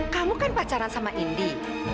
kamu kan pacaran sama indi